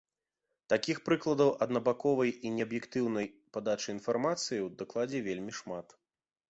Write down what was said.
Такіх прыкладаў аднабаковай і неаб'ектыўнай падачы інфармацыі ў дакладзе вельмі шмат.